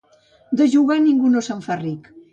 De jugar, ningú no se'n fa ric.